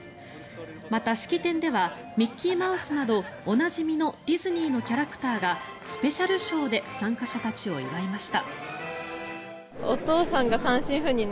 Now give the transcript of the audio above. また、式典ではミッキーマウスなどおなじみのディズニーのキャラクターがスペシャルショーで参加者たちを祝いました。